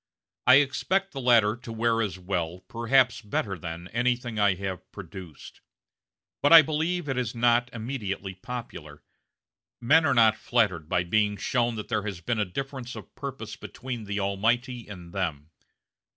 I expect the latter to wear as well as, perhaps better than, anything I have produced; but I believe it is not immediately popular. Men are not flattered by being shown that there has been a difference of purpose between the Almighty and them.